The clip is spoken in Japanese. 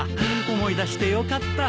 思い出してよかった。